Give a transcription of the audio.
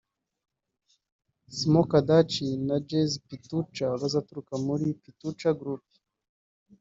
Szymon Kardacki na Jerzy Pietrucha bazaturuka muri Pietrucha Group